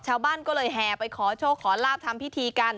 ชาวบ้านก็เลยแห่ไปขอโชคขอลาบทำพิธีกัน